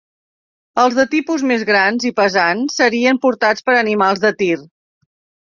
Els de tipus més grans i pesants serien portats per animals de tir.